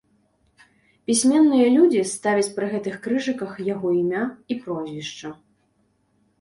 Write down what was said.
Пісьменныя людзі ставяць пры гэтых крыжыках яго імя і прозвішча.